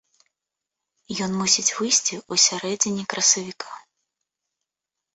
Ён мусіць выйсці ў сярэдзіне красавіка.